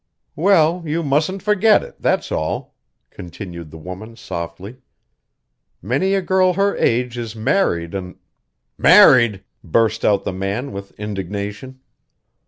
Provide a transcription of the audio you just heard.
"Well, you mustn't forget it, that's all," continued the woman softly. "Many a girl her age is married an' " "Married!" burst out the man with indignation.